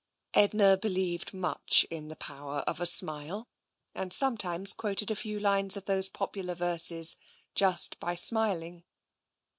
Edna believed much in the power of a smile, and sometimes quoted a few lines of those popular verses, " Just by smiling."